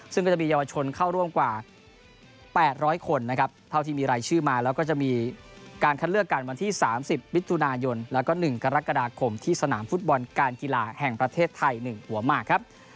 ซึ่งก็จะมีเยาวชนเข้าร่วมกว่า๘๐๐คนนะครับเท่าที่มีรายชื่อมาแล้วก็จะมีการคัดเลือกกันวันที่๓๐มิถุนายนแล้วก็๑กรกฎาคมที่สนามฟุตบอลการกีฬาแห่งประเทศไทย๑หัวมากครับ